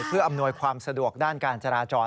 เพื่ออำนวยความสะดวกด้านการจราจร